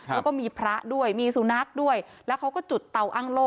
แล้วก็มีพระด้วยมีสุนัขด้วยแล้วเขาก็จุดเตาอ้างโล่